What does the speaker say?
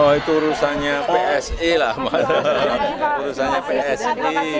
oh itu urusannya psi lah urusannya psi